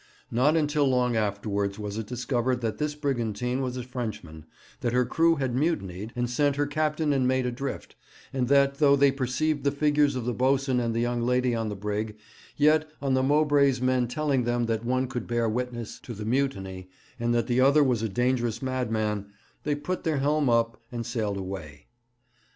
Not until long afterwards was it discovered that this brigantine was a Frenchman, that her crew had mutinied, and sent her captain and mate adrift, and that, though they perceived the figures of the boatswain and the young lady on the brig, yet, on the Mowbray's men telling them that one could bear witness to the mutiny, and that the other was a dangerous madman, they put their helm up and sailed away.